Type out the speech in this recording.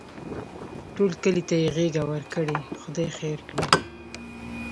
ټول کلي ته یې غېږه ورکړې؛ خدای خیر کړي.